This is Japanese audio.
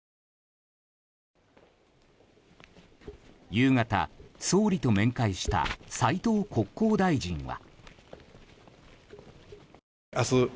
夕方、総理と面会した斉藤国交大臣は。